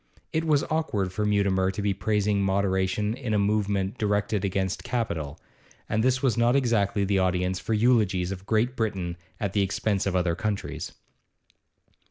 It was awkward for Mutimer to be praising moderation in a movement directed against capital, and this was not exactly the audience for eulogies of Great Britain at the expense of other countries.